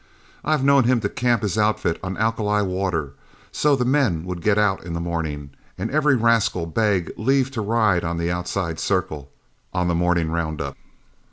I've known him to camp his outfit on alkali water, so the men would get out in the morning, and every rascal beg leave to ride on the outside circle on the morning roundup.